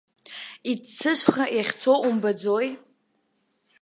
Иццшышәха иахьца умбаӡои?